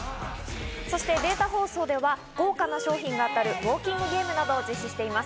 そしてデータ放送では豪華な賞品が当たるウオーキングゲームなどを実施しています。